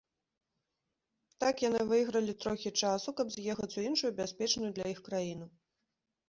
Так яны выйгралі трохі часу, каб з'ехаць у іншую бяспечную для іх краіну.